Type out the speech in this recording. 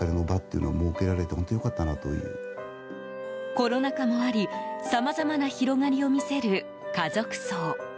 コロナ禍もありさまざまな広がりを見せる家族葬。